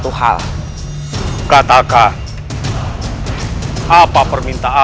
untuk rai surawisasa